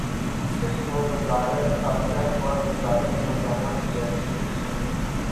کہ وہ وزارت خارجہ اور وزارت خزانہ جیسی اہم